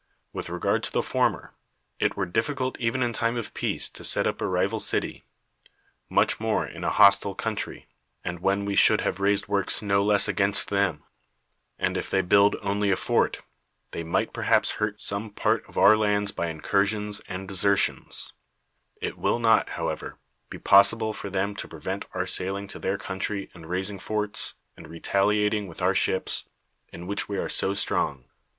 With regard to the former, it were difficult even in time of peace to set up a rival city; much more in a hostile country, and when we should have raised works no less against them: and if they build [only] a fort, they might perhaps hurt some part of our 12 PERICLES land by incursions and desertions; it will not, however, be possible for them to prevent our sailing to their country and raisin*]^ forts, and retaliating with our ships, in which we are so strong.